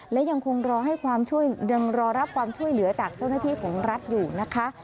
และยังคงรอให้ความช่วยยังรอรับความช่วยเหลือจากเจ้าหน้าที่ของรัฐอยู่นะคะ